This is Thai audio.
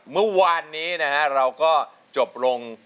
เมื่อวานนี้นะฮะเราก็จบลง